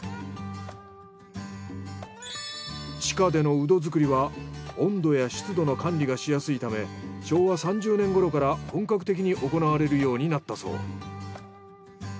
地下でのうど作りは温度や湿度の管理がしやすいため昭和３０年頃から本格的に行われるようになったそう。